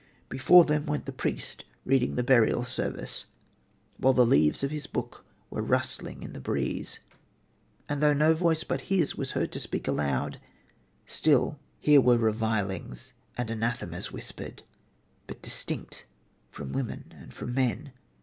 Before them went the priest reading the burial service, while the leaves of his book were rustling in the breeze. And though no voice but his was heard to speak aloud, still here were revilings and anathemas whispered, but distinct, from women and from men...